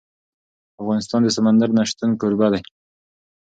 افغانستان د سمندر نه شتون کوربه دی.